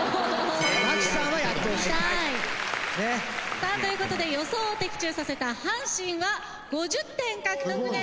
さあという事で予想を的中させた阪神は５０点獲得です。